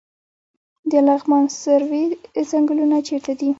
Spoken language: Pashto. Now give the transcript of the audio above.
د لغمان سروې ځنګلونه چیرته دي؟